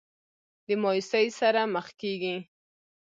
د مايوسۍ سره مخ کيږي